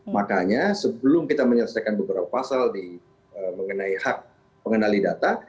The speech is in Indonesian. makanya sebelum kita menyelesaikan beberapa pasal mengenai hak pengendali data